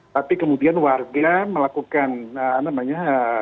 tapi kemudian warga melakukan apa namanya